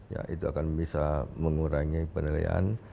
ya itu akan bisa mengurangi penilaian